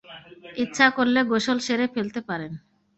ইচ্ছা করলে গোসল সেরে ফেলতে পারেন।